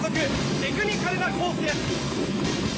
テクニカルなコースです。